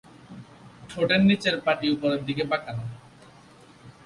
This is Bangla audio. ঠোঁটের নিচের পাটি উপরের দিকে বাঁকানো।